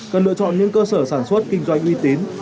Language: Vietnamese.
cần lựa chọn những cơ sở sản xuất kinh doanh uy tín